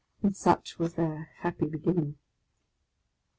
And such was their happy beginning!